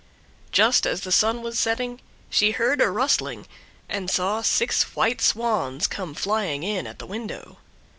Just as the sun was setting, she heard a rustling, and saw six white Swans come flying in at the window.